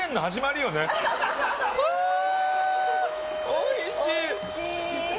おいしい！